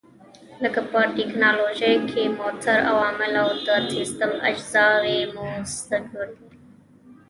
لکه په ټېکنالوجۍ کې موثر عوامل او د سیسټم اجزاوې مو زده کړې وې.